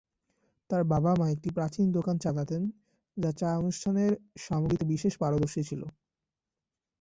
তার বাবা-মা একটি প্রাচীন দোকান চালাতেন, যা চা অনুষ্ঠানের সামগ্রীতে বিশেষ পারদর্শী ছিল।